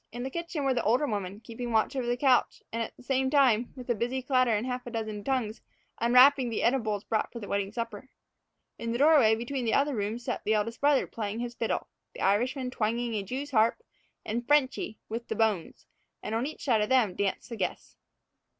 In the kitchen were the older women, keeping watch over the couch and, at the same time, with busy clatter in a half dozen tongues, unwrapping the edibles brought for the wedding supper. In the doorway between the other rooms sat the eldest brother playing his fiddle, the Irishman twanging a jews' harp, and "Frenchy" with the bones; and on each side of them danced the guests.